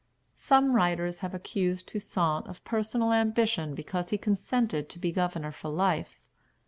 Some writers have accused Toussaint of personal ambition because he consented to be governor for life.